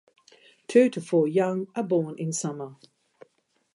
Two to four young are born in summer.